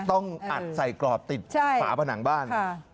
ต้องอัดใส่กรอบติดฝาผนังบ้าน